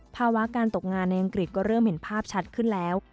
ภาวะการตกงานในอังกฤษก็เริ่มเห็นภาพชัดขึ้นแล้ว